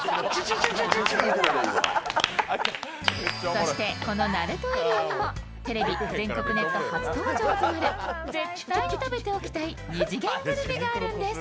そして、ナルトエリアにも、テレビ全国ネット初登場となる絶対に食べておきたいニジゲングルメがあるんです。